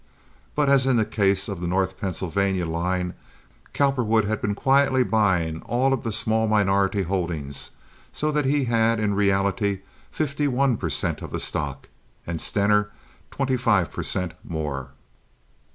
But, as in the case of the North Pennsylvania line, Cowperwood had been quietly buying all of the small minority holdings, so that he had in reality fifty one per cent. of the stock, and Stener twenty five per cent. more.